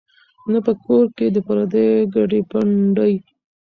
نه په کور کي د پردیو کډي پنډي